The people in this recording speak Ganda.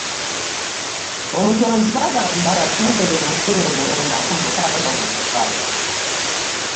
Omutonzi bagamba yatondera ensi eno ennaku mukaaga gwokka.